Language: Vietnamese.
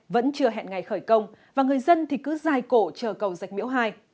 vẫn chưa hẹn ngày khởi công và người dân thì cứ dài cổ chờ cầu dạch miễu hai